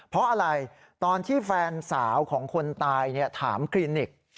เพราะอะไรตอนที่แฟนสาวของคนตายถามคลินิก